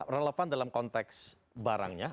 relevan dalam konteks barangnya